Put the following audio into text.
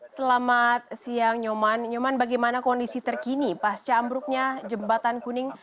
selamat siang nyoman nyoman bagaimana kondisi terkini pasca ambruknya jembatan kuning